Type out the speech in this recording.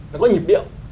nó có nhịp điệu